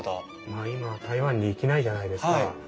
まあ今台湾に行けないじゃないですか。